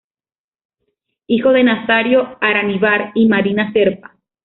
Hijo de Nazario Araníbar y Marina Zerpa.